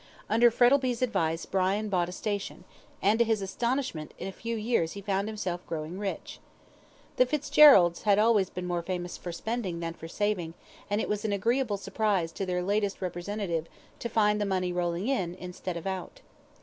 Under Frettlby's advice Brian bought a station, and, to his astonishment, in a few years he found himself growing rich. The Fitzgeralds had always been more famous for spending than for saving, and it was an agreeable surprise to their latest representative to find the money rolling in instead of out.